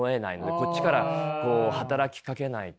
こっちからこう働きかけないと。